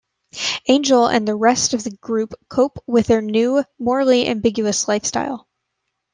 Angel and the rest of the group cope with their new, morally ambiguous lifestyle.